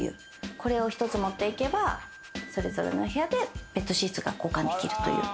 これを１つ持っていけばそれぞれの部屋でベッドシーツが交換できるという。